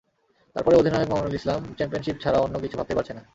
তারপরেও অধিনায়ক মামুনুল ইসলাম চ্যাম্পিয়নশিপ ছাড়া অন্য কিছু ভাবতেই পারছেন না।